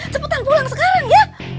cepetan pulang sekarang ya